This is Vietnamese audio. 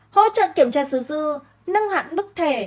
hỗ trợ kiểm tra sứ dư nâng hẳn bức thẻ